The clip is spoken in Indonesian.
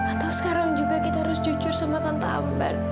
atau sekarang juga kita harus jujur sama tanpa ambar